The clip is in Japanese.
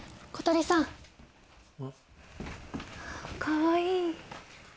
かわいい！